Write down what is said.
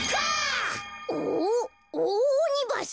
おオオオニバス？